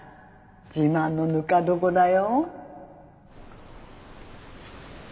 自慢のぬか床だよ。